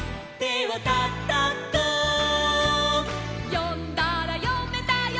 「よんだらよめたよ」